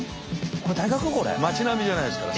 これ。